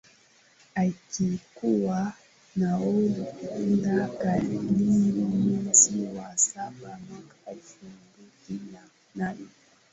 Alikuwa nahodha kamili mwezi wa saba mwaka elfu mbili na nane